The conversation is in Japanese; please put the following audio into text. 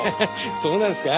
そうなんですか？